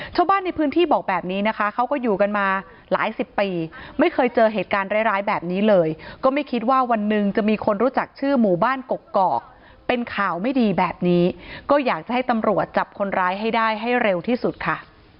ชาวบ้านในพื้นที่บอกแบบนี้นะคะเขาก็อยู่กันมาหลายสิบปีไม่เคยเจอเหตุการณ์ร้ายแบบนี้เลยก็ไม่คิดว่าวันหนึ่งจะมีคนรู้จักชื่อหมู่บ้านกกอกเป็นข่าวไม่ดีแบบนี้ก็อยากจะให้ตำรวจจับคนร้ายให้ได้ให้เร็วที่สุดค่ะ